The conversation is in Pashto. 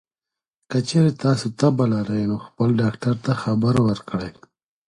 که چېرې تاسو تبه لرئ، نو خپل ډاکټر ته خبر ورکړئ.